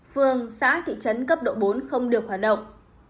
phường xã thị trấn cấp độ bốn không được hoạt động